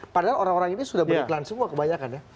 padahal orang orang ini sudah beriklan semua kebanyakan ya